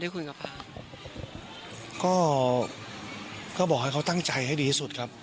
ก็ก็บอกให้เขาตั้งใจให้ดีอันสุดครับ